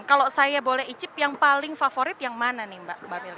kalau saya boleh icip yang paling favorit yang mana nih mbak meli